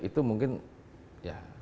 itu mungkin ya